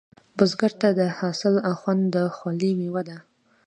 بزګر ته د حاصل خوند د خولې میوه ده